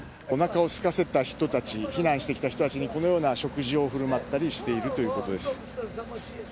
おなかをすかせた人たち避難してきた人たちにこのような食事を振る舞ったりしているということです。